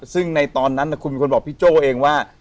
ซึ่งในตอนนั้นคุณเป็นคนบอกพี่โจ้เองว่า